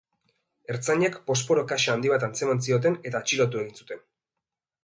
Ertzainek posporo kaxa handi bat antzeman zioten eta atxilotu egin zuten.